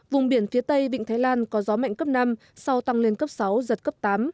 vùng biển phía tây vịnh thái lan có gió mạnh cấp năm sau tăng lên cấp sáu giật cấp tám